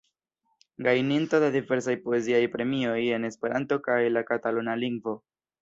Gajninto de diversaj poeziaj premioj en Esperanto kaj la kataluna lingvo.